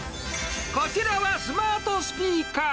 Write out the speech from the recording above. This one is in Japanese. こちらはスマートスピーカー。